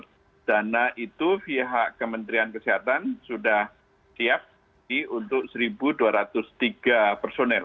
karena itu pihak kementerian kesehatan sudah siap untuk satu dua ratus tiga personel